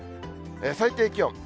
最低気温。